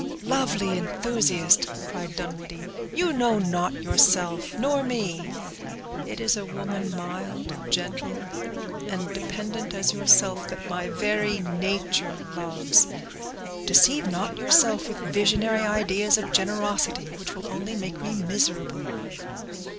"Lovely enthusiast!" cried Dunwoodie, "you know not yourself, nor me. It is a woman, mild, gentle, and dependent as yourself, that my very nature loves; deceive not yourself with visionary ideas of generosity, which will only make me miserable."